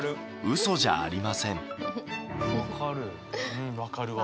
うん分かるわ。